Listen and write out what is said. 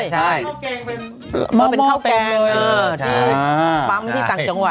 เค้าแกงเป็นข้าวแกงตรงจังหวัด